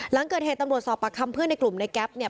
หลังเกิดเหตุตำรวจสอบประคำเพื่อนในกลุ่มในแก๊ปเนี่ย